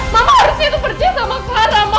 mama harusnya tuh percaya sama clara ma